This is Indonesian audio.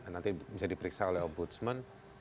nanti bisa diperiksa oleh ombudsman